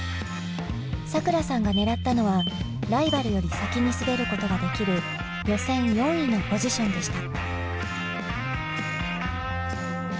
さくらさんが狙ったのはライバルより先に滑ることができる予選４位のポジションでした。